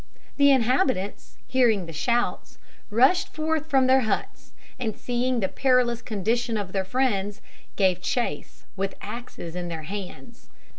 The inhabitants, hearing the shouts, rushed forth from their huts, and seeing the perilous condition of their friends, gave chase with axes in their hands.